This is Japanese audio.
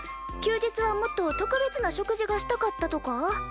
休日はもっと特別な食事がしたかったとか？